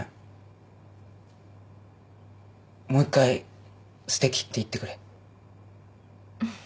もう１回「すてき」って言ってくれ。